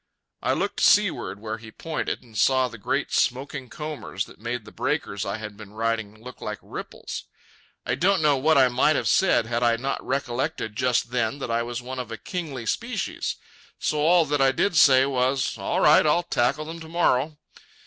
I looked seaward where he pointed, and saw the great smoking combers that made the breakers I had been riding look like ripples. I don't know what I might have said had I not recollected just then that I was one of a kingly species. So all that I did say was, "All right, I'll tackle them to morrow."